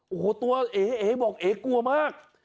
โอ้โหตัวเอ๋เอ๋บอกเอ๋กลัวมาก